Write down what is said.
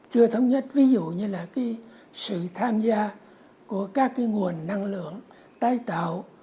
chưa thống nhất ví dụ như là cái sự tham gia của các cái nguồn năng lượng tái tạo